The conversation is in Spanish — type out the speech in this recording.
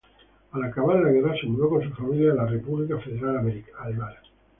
Al acabar la guerra se mudó con su familia a la República Federal Alemana.